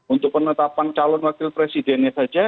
untuk penetapan calon wakil presidennya saja